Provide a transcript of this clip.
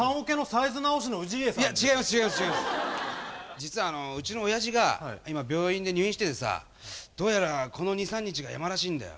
実はうちのおやじが今病院で入院しててさどうやらこの２３日が山らしいんだよ。